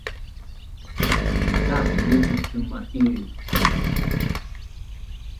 That’s music to my ears!